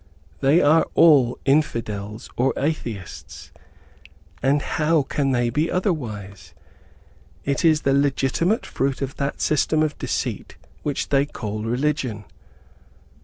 They are all Infidels or Atheists; and how can they be otherwise? It is the legitimate fruit of that system of deceit which they call religion.